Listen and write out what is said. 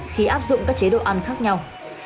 khi áp dụng các chế độ ăn khác nhau